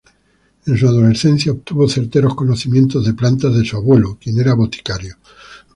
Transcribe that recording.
En su adolescencia, obtuvo certeros conocimientos de plantas de su abuelo, quien era boticario.